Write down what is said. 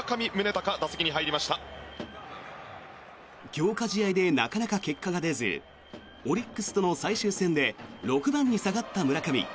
強化試合でなかなか結果が出ずオリックスとの最終戦で６番に下がった村上。